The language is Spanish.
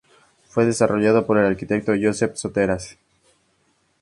Fue desarrollado por el arquitecto Josep Soteras.